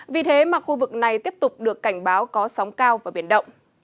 vì thế mà khu vực này tiếp tục được cảnh báo có sóng cao và biển động